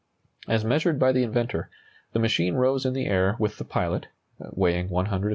As measured by the inventor, the machine rose in the air with the pilot (weighing 190 lbs.)